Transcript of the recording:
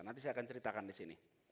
nanti saya akan ceritakan disini